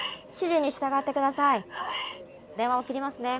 電話を切りますね。